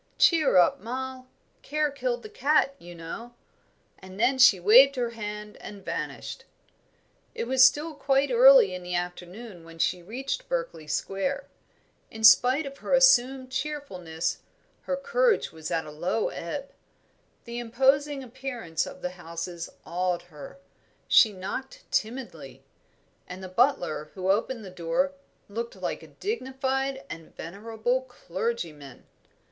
"Cheer up, Moll. Care killed the cat, you know;" and then she waved her hand and vanished. It was still quite early in the afternoon when she reached Berkeley Square. In spite of her assumed cheerfulness, her courage was at a low ebb. The imposing appearance of the houses awed her; she knocked timidly, and the butler who opened the door looked like a dignified and venerable clergyman.